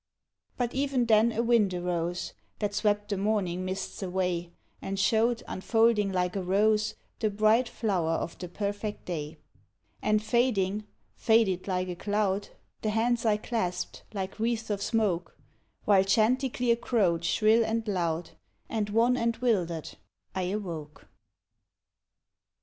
But even then a wind arose That swept the morning mists away, And showed, unfolding like a rose, The bright flower of the perfect day: And fading faded like a cloud, The hands I clasped, like wreaths of smoke, While chanticleer crowed shrill and loud, And wan and 'wildered I awoke.